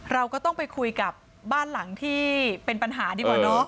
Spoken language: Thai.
เราก็ต้องไปคุยกับบ้านหลังที่เป็นปัญหาดีกว่าเนอะ